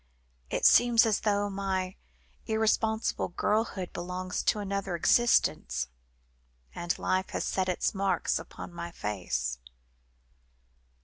It seems as though my irresponsible girlhood belongs to another existence, and life has set its marks upon my face."